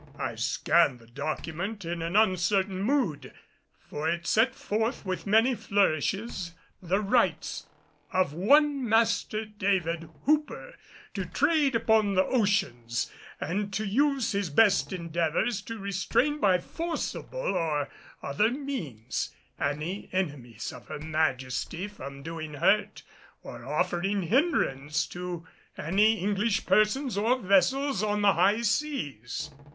I scanned the document in an uncertain mood. For it set forth with many flourishes the rights "of one Master David Hooper to trade upon the oceans and to use his best endeavors to restrain by forcible or other means any enemies of Her Majesty from doing hurt or offering hindrance to any English persons or vessels on the high seas."